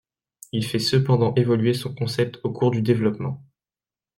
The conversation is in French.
Il fait cependant évoluer son concept au cours du développement.